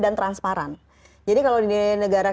dan transparan jadi kalau di negara